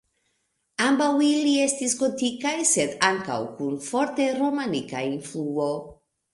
Ambaŭ ili estas gotikaj sed ankaŭ kun forte romanika influo.